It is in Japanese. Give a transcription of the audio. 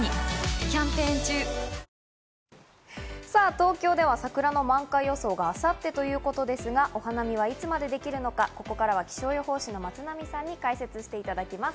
東京では桜の満開予想は明後日ということですが、お花見はいつまでできるのか、気象予報士の松並さんに解説していただきます。